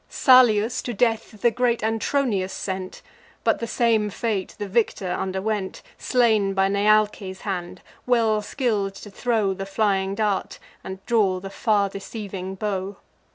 Salius to death the great Antronius sent: But the same fate the victor underwent, Slain by Nealces' hand, well skill'd to throw The flying dart, and draw the far deceiving bow.